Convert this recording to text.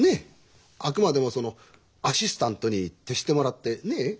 あくまでもそのアシスタントに徹してもらってねえ？